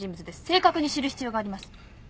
正確に知る必要があります。